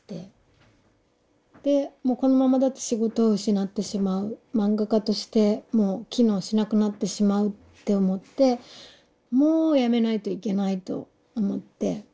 でもうこのままだと仕事を失ってしまう漫画家としても機能しなくなってしまうって思ってもうやめないといけないと思って。